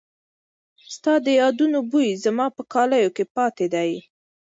ستا د یادونو بوی زما په کالو کې پاتې دی.